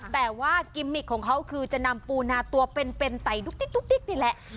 แต่ว่ากิมมิกของเขาคือจะนำปูนาตัวเป็นไต่ดุ๊กดิ๊กนี่แหละ